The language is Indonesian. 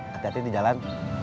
hati hati di jalan